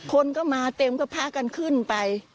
คนก็มาเต็มก็พากันขึ้นไป